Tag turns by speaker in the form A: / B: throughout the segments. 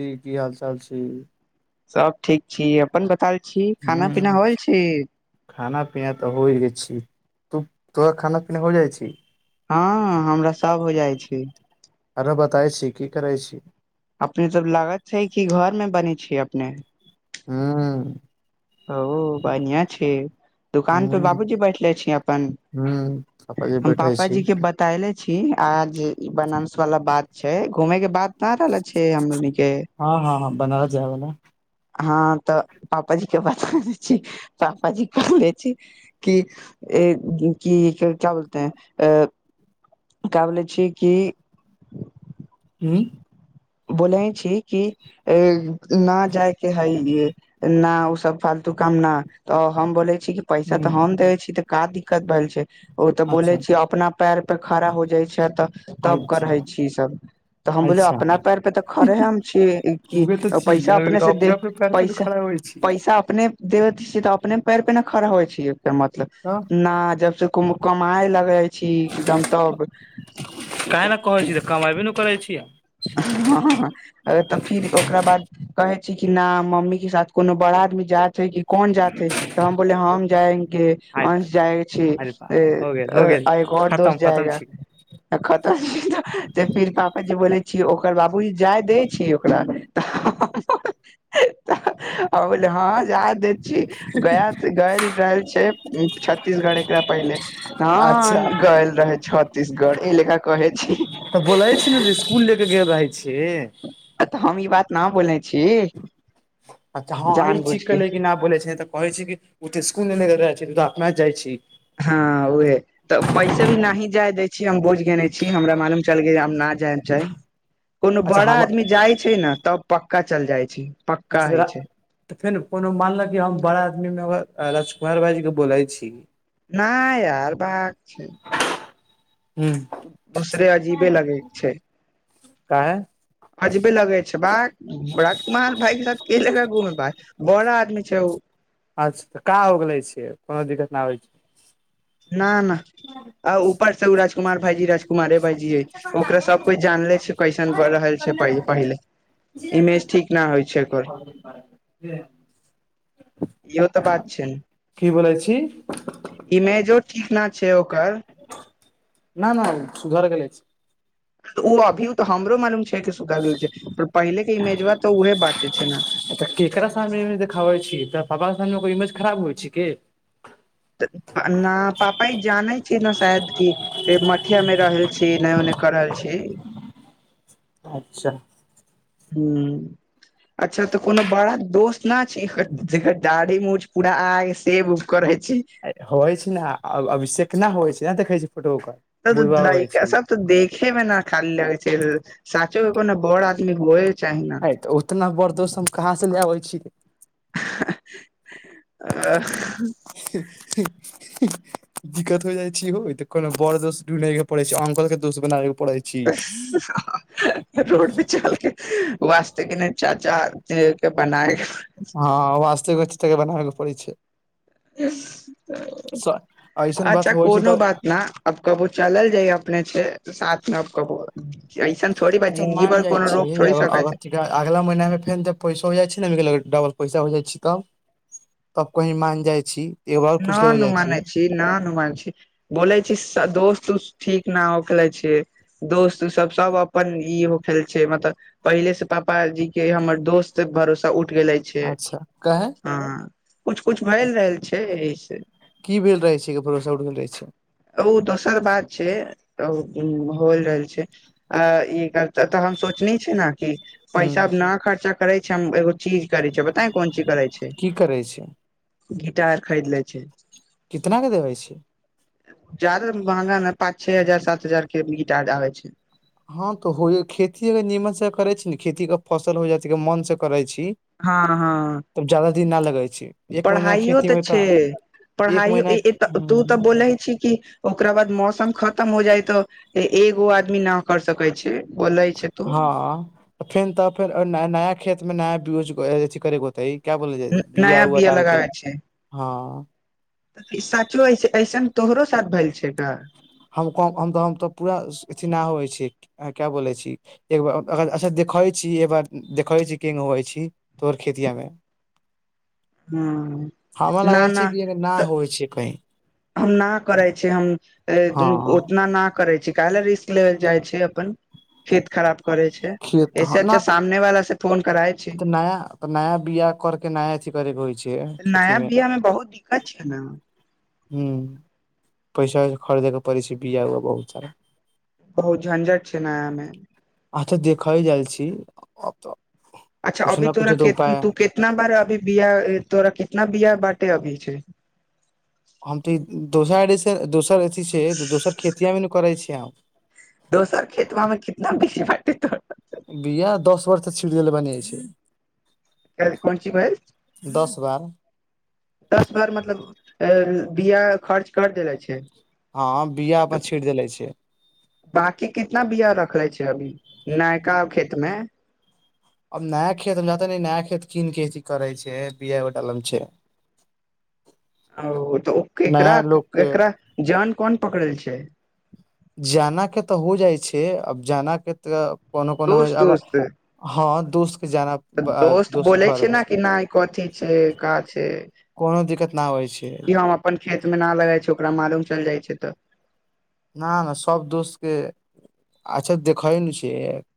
A: जी की हाल चाल छै
B: सब ठीक छी अप अपन बताल छी खाना पीना
A: ह
B: होइल छै
A: खाना पीना तऽ होइ गेल छी तू तोहर खाना पीना हो जाइ छी
B: हँ हमरा सभ हो जाइ छै
A: आरो बताबै छी की करै छी
B: अपने सब लागत छै कि घर मे बनेै छियै अपने
A: हँ
B: ओ बनियाँ छै दुकान पे
A: ह
B: बाबूजी बैठले छियै अपन
A: ह पापा जी
B: हम
A: बैठे छी
B: पापाजी के बतायले छी आज बनानस वाला बात छै घूमे के बात पड़ल छै हमरानी के
A: हँ हँ हँ बनारस
B: [unintelligible]
A: जाय वाला
B: हँ तऽ पापाजी के बताैले छी पापाजी कहले छी की की क्या बोलते हैं अ का बोलै छी की
A: ह्म [unintelligible]
B: बोलै छी कि अ ना जायके हैये ना ओ सब फालतू काम ना तऽ हम बोले छी कि पैसा
A: ह
B: तऽ हम देय छी तऽ का दिक्कत भेल छै ओ तऽ बोलै
A: अच्छा
B: छिये अपना पैर पर खड़ा हो जाइ छै तऽ तब
A: अच्छा
B: करै छी ई सब तऽ हम बोलियै
A: अच्छा
B: अपना पैर पर तऽ खड़े हम छी कि
A: उहे तऽ छी
B: पैसा
A: यार
B: अपने
A: तऽ
B: से दे
A: अपने पैर पे
B: पैसा
A: खड़ा होइ छी
B: पैसा अपने देबत छी तऽ अपने पैर पे ने खड़ा होइ छी मतलब
A: तऽ
B: न जब से कमाइ लग रहै छी एकदम तब
A: काहे न कहै छी तऽ कमैबे न करै छियौ
B: हँ हँ हँ तऽ फिर ओकरा बाद कहे छी कि ना मम्मी के साथ कोनो बड़ा आदमी जात है कि कोन जात है तऽ हम बोले हम जाय
A: आइ तक
B: अंश जाइ छी
A: अरे बाप
B: ए
A: हो गेल
B: आ
A: हो गेल
B: आ एगो और दोस
A: खतम खतम
B: जाएगा
A: छी
B: तऽ खतम फिर पापाजी बोलै ओकर बाबूजी जाय दै छी ओकरा आ बोललै हँ जाय दैत छी गया से गाड़ी लायल छैइ छत्तीसगढ़ एकरा पहिले हाँ
A: अच्छा
B: हाँ गैल रहे छ्तीसगढ़ इहे लेखा कहैत छी
A: तऽ बोलै छी ने जे इसकुल ले के गेल रहै छी
B: तऽ हम ई बात न बोलै छी
A: अच्छा हँ ई
B: जानबूझ
A: ठीक
B: के
A: केले कि ना बोलै छै तऽ कहै छी कि ओ तऽ इसकुल नह छै त ओ तऽ अपना जाइ छी [unintelligible]
B: हँ उहे तऽ वैसे भी ना ही जाय दै छी हम बूझ गेने छी हमरा मालूम चल गेल हम ना जायम चाय कोनो
A: अच्छा
B: बड़ा
A: हम
B: आदमी जाइ छै न तब पक्का चल जाइ छै पक्का होइ
A: अच्छा
B: छै
A: तऽ फेन कोनो मानल कि हम बड़ा आदमी मे राजकुमार भाईजी के बोलैय छी
B: नहि यार बाग छै
A: ह
B: दूसरे अजीबे लगै छैइ
A: काहे
B: अजबे लगै छैइ बाक राजकुमार भाई के साथ के जेतै घूम भाई बड़ा आदमी छैय ओ
A: अच्छ तऽ का हो गेलै छे कोनो दिक्कत ना होइ छै
B: ना ना आ ऊपर से उ राजकुमार भाईजी राजकुमारे भाईजी हई ओकरा सब कोई जानले छैइ उ कैसन बारऽ है पहिल पहिल इमेज ठीक ना होइ छै ओकर
A: जी [inaudible]
B: इहो तऽ बात छैन
A: बोलै छी
B: इमेजो ठीक ना छैइ ओकर
A: ना ना सुधर गेल अछि
B: उ अभीयो तऽ हमरो मालूम छै कि सुधर गेल छै पर पहिले के इमेजबा तऽ उहे बाटे छै ना
A: तऽ केकरा सामने इमेज देखाबै छी तऽ पप्पा के सामने ओकर इमेज खराब होइ छै की
B: ना पापा ई जानै छै न शायद की की मठिया मे रहल छी एने ओने कर रहल छी
A: अच्छा
B: हूँ अच्छा तऽ कोनो बड़ा दोस्त इतना छै जेकरा दाढ़ी मूंछ पूरा आइ सेव उव करै छी
A: होइ छै ने अभिषेक न होइ छै नहि देखै छै फोटो ओकर बुढ़बा
B: तऽ
A: होइ छै
B: ऐसा त देखे मे ना खाली लइका सब तऽ देखेमे न खाली लगइ साचो को ने बड़ आदमी गोए
A: हय तऽ उतना बर दोस्त हम कहाँ से ले अबै छी रे
B: आ ह
A: दिक्कत हो जाय छी हो त कोनो बड़ दोस्त ढूंढय के पड़ैइ छैइ अंकल के दोस बनाबे के पड़े छी
B: हह ह रोड पे चलके वास्ते के नई चाचा के त बनाए
A: हँ वास्तविक चच्चा के बनाबेके पड़ैइ छैई
B: त
A: ऐसन बात
B: अच्छा
A: होइ छै
B: कोनो
A: तऽ
B: बात ना आब कबो चलल जाइ अपने छे त साथ में कबहु
A: अच्छा मान जाइ छैइ
B: सकै छै
A: अगला महिना मे फेन तऽ पैसो हो जाइ छैइ ने डबल पैसा हो जाइ छी तब तब कहीं माँग जाइ छी एगो बार
B: न
A: पूछ लेबे
B: नु
A: जाइ
B: मानै छी न नु मान छी बोलै छी दोस्त उस्त ठीक न हो खेलैई छिअई दोस्त सब सब अपन इ हो खेले छिअई मतलब पहिले से पाजी के हमर दोस्त भरोसा उठ गेलै छे
A: अच्छा काहे
B: हंअ् किछु किछु भै रहल छै एहिस
A: कि भेल रहे छै कि भरोसा उठ गेल रहै छै
B: ओ दोसर बात छै होल रहल छै आ ई त हम सोचनी छे न कि
A: ह
B: पैसा न खर्चा करै छै हम एगो चीज करै छै बताए कोन चीज करै छै
A: की करै छै
B: गिटार खरीद ले छै
A: कितना दे देबै छी
B: जादा महंगा ना पाँच छे हजार सात हजार के गिटार आबै छै
A: हँ तऽ होइए खेती अगर नीमन से करे छी ने खेती के फसल हो जाइछै गर मन से करे छी
B: हँ हँ
A: द न लगै छै एक महीना के
B: पढ़ाइयो
A: खेती
B: तऽ
A: मे
B: छै
A: एक
B: पढ़ाइयो
A: महीना
B: इ इ त तू तऽ बोलै छी कि ओकरा बाद मौसम खतम हो जाय तऽ ए एगो आदमी न कर सकैत छै बोलै छै तू
A: हँ फेर तऽ फेर न नया खेत मे नया ब्यूज अथि करेके होते क्या बोल
B: न
A: जाइ बिया
B: नया
A: उआ
B: बीया
A: डाल के
B: लगाबे छै
A: हँ
B: ई साचो ऐ ऐसन तोहरो साथ भेल छै न
A: हम क हम त हम त पूरा अथि नहि होइ छी अहां क्या बोले छी एक बा अ अगर अच्छा देख खय छी देखै छी ए बार देखै छी तोर खेतिया मे
B: हँ
A: हमरा
B: न
A: लगै छै
B: न
A: कि अगर ना
B: तऽ
A: होइ छै कहीं
B: हम न करै छी हम अ ए
A: हँ
B: उतना न करै छै काहेला रिस्क लेवेल जाइ छै अपन खेत खराब करै छै ऐसे अच्छा सामने वाला सब
A: ओ तऽ नया तऽ नया बिया करके नया एथि करे के होइ छै
B: तऽ
A: खेती
B: नया बियामे बहुत दिक्कत छियै ने
A: हुँ पैसा खरीदे के परड़ै छै बीया हुआ बहुत सारा
B: बहुत झंझट छै नयामे
A: अ तऽ देख‌इ जाइ छी तऽ
B: अच्छा
A: कुछ
B: अभी
A: ने
B: तोरा
A: कुछ तऽ
B: केत
A: उपाय
B: तू कितना बार अभी बिया तोरा ना बिया बाटे आबै छै
A: हम तऽ ई दोसर आरी से दोसर असि से त दोसर खेतियामे नु करै छियै हम
B: दोसर खेतबामे कितना बीज बाटे तोड़
A: त छिट देलै बानी छै
B: काल्हि कोन ची भैइल
A: वाह
B: दस बार मतलब अ बिया खर्च कर देले छै
A: हँ बिया अपन छीट देले छै
B: बाकी कितना बिया रखले छै अभी नयका खेतमे
A: आब नया खेत जतय न नया खेत कीन के अथी करै छै बिया डालम छै [inaudible]
B: ओ तऽ ओ केकरा
A: नया लोग के
B: केकरा जान कोन पकड़ल छै
A: जाना के तऽ हो जाइ छै अब जाना के तऽ कोनो कोनोमे
B: दोस्त
A: अगर
B: दोस्त
A: हँ दु
B: तऽ दोस्त बोलै छै ना कि नहि कथी छै का छै
A: कोनो दिक्कत न होइ छै
B: कि हम अपन खेतमे ना लगै छै ओकरा मालूम चलि जाइ छै तऽ
A: ना नहि सब दोस्तके अच्छा देखइ नु छै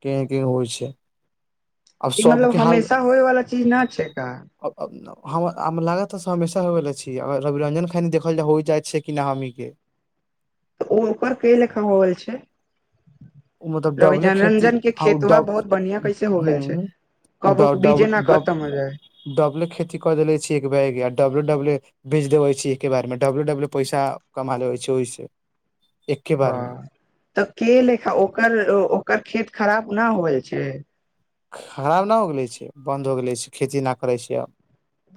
A: केहन केहन होइ छै आब
B: ई मतलब
A: सबके हाल
B: हमेशा होय वाला चीज न छै का
A: अब अब हमरा हमरा लागता ता हो गैले छै अगर रविरंजन खाली देखल जा हो जाइत छै कि हमनी के
B: तऽ ओ ओकर कै लेखा होल छै
A: ओ मतलब
B: रवि
A: डबले खेती
B: जनरंजन के
A: आ उ
B: खेतवा बहुत बढ़िआं कैसे हो गेल छै कबो
A: ड डब
B: बीजे न
A: डब
B: खतम हो जाय
A: डबले खेती कऽ देले छी एक बै एक डबले डबले बेच देबै छी एके बारेमे डबले डबले पैसा कमा लेबै छै ओहिसँ
B: हँ तऽ के लेखा ओ ओकर ओकर खेत खराब न होल छै
A: खराब न हो गेलै छै बन्द हो गेलै छै खेती न करै छै आब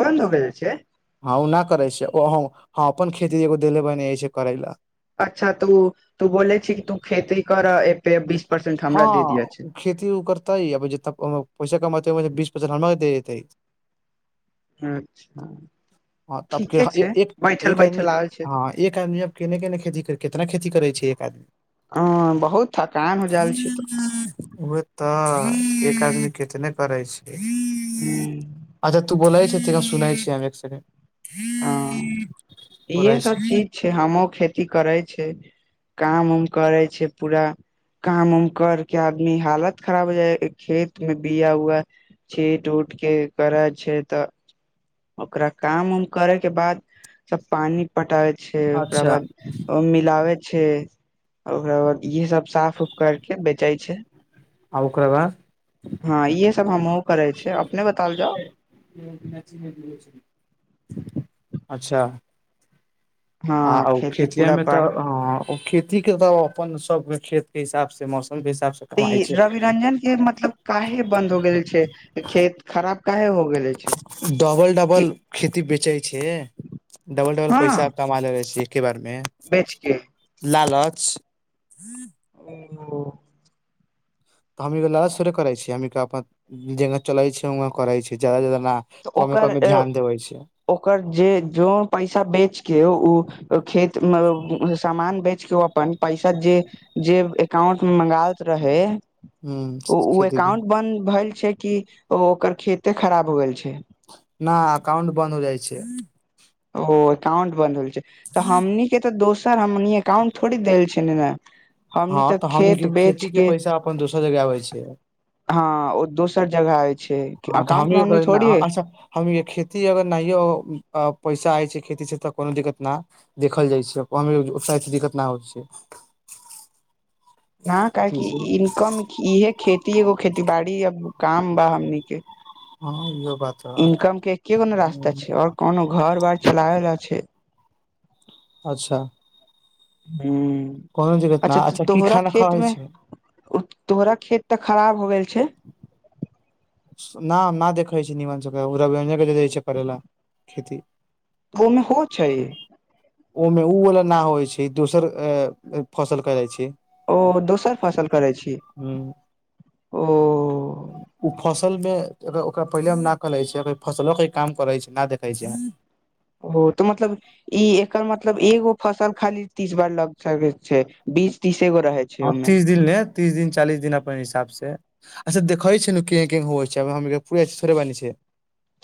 B: बन्द हो गेल छै
A: हँ ओ ना करै छै हम अपन खेती एगो देले बानी करय लेल
B: अच्छा तू तू बोलेछि तू खेती करय एते
A: हँ खेती ओ करतइ अब जते पैसा कमतेइ बीस हमरा दे देतै
B: अच्छा
A: हँ तब के
B: ठीके
A: ह
B: छै
A: एक एक
B: बैठल
A: एक आदमी
B: बैठल आयल छै तू।
A: हँ एक आदमी अब केने केने खेती कर कितना खेती करै छै एक आदमी
B: हँ बहुत थकान हो जायल छै तऽ
A: उहे तऽ एक आदमी केतनै करे छै
B: हूँ,
A: अच्छा तू बोलाय छ सुनै छी हम एक सकेंडे
B: हँ इहे
A: बोलै
B: सब
A: छी
B: चीज छै हमहुँ खेती करय छै काम उम करै छै पूरा काम उम करके आदमी हालत खराब हो जाय या खेत में बिया उआ छीट उट कि करय छै तऽ ओकरा काम उम करे के बाद सब पानी पटाबे छै ओकरा
A: अच्छा
B: बाद ओ मिलाबे छै ओकरा बाद इहे सब साफ उफ करके बेचय छै
A: आ ओकरा बाद
B: हँ इहे सब हमहु करे छियै अपने बतैल जाउ
A: अच्छा
B: हँ
A: ह उ
B: खेती
A: खेतीया
B: पूरा
A: मे तऽ
B: पर
A: ह खेती के तऽ अपन सब खेत के हिसाब से मस्त
B: तऽ ई रवि रंजन के मतलब काहे बंन्द हो गेल छै खेत खराब काहे हो गेलै छै
A: डबल
B: कि
A: डबल खेती बेचे छै डबल डबल
B: हँ
A: पैसा कमा लेबै छी के बारेमे
B: बेच के
A: लालच
B: ओ
A: तऽ हमे ई लालच थोडे करे छियै हमनी के अपन जेना चले छै उना करैय छै जादा जादा न
B: तऽ
A: कमे
B: ओकर
A: कमे ध्यान देबै छै
B: ओकर जे जो पैसा बेचके ओ खेत मे सामान बेच के ओ अपन पैसा जे जे एकाउंट में मंगायत रहय
A: ह
B: ओ
A: खेती के
B: एकाउंट बन्द भेल छै कि ओ ओकर खेते खराब हो गेल छै
A: न एकाउंट बन्द हो जाइ छै
B: ओ एकाउंट बन्द हो छै तऽ हमनी के तऽ दोसर हमनी एकाउंट थोड़ी देल छै ने ने
A: हँ तऽ हमनी के खेती के पैसा अपन दोसर जगह आबै छै
B: हँ ओ दोसर जगह आय
A: हँ तऽ हमनी के कहलियै ने अच्छा हमनी के खेती अगर नइयो हो पैसा आइ छै खेती छै तऽ कोनो दिक्कत न देखल जाइ छै कम बेस उतना दिक्कत न होइ छै [inaudible]
B: ह काहे
A: खेती
B: की
A: से।
B: ईनकम इहे खेती एगो खेती बाड़ी आ काम बा हमनीके
A: हँ बात ह।
B: इनकम के एके गो न रास्ता
A: हूँ,
B: छै ओर कोनो घर बार चलाबला छै
A: अच्छा
B: हूँ
A: कोनो दिक्कत न
B: अच्छा तऽ
A: की
B: तोहरा
A: खाना
B: खेत
A: खाबै
B: मे
A: छै
B: तोहरा खेत तऽ खराब हो गेल छै
A: ना ना देखै छै निमांशु का ओ रविरंजन के दऽ देने छै करय ला खेती
B: ओ मे उहो छै
A: ओहमे ऊ वाला न होइ छै दोसर अ फसल करय छै
B: ओ दोसर फसल करय छी
A: ह
B: ओ
A: [inaudible] ओ फसलमे ओकरा पहिले हम न कहै छियै फसलोके काम करै छै नहि देखै छै
B: ओ तऽ मतलब ई एकर मतलब एगो फसल खाली तीस बार लग सकय छै बीस तीस
A: ह तीस दिन ले तीस दिन चालीस दिन अपन हिसाब से अच्छा देखै छ ने के के होइ छै हमनी के पूरा चीज थोड़े बानी छै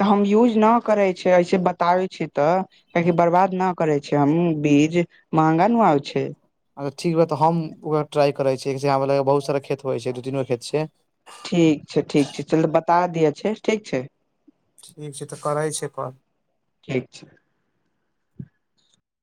B: तऽ हम यूज नहि करै छियै ऐसे बताबै छी तऽ कियाकि बर्बाद नाह करै छै हम बीज महंगा न आबय छै
A: अच्छा ठीक बा तऽ हम ओकरा ट्राइ करय छियै हमरा लागय यै बहुत सारा खेत होइ छै दू तीन गो खेत छै
B: ठीक छै ठीक छै चलू बता दिअ छै ठीक छै
A: ठीक छै तऽ करै छिये कॉल
B: ठीक छै